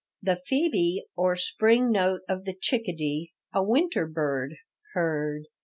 The phebe or spring note of the chickadee, a winter bird, heard.